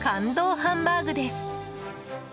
ハンバーグです。